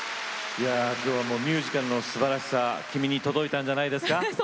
ミュージカルのすばらしさ君に届いたんじゃないですか。